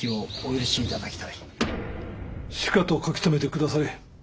しかと書き留めてくだされ。